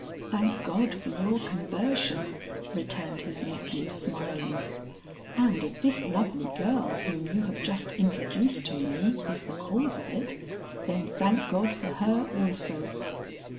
"Thank God for your conversion," returned his nephew smiling, "and if this lovely girl whom you have just introduced to me, is the cause of it, then thank God for her also."